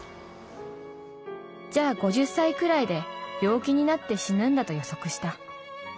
「じゃあ５０才くらいで病気になって死ぬんだと予測した。